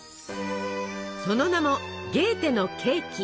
その名も「ゲーテのケーキ」！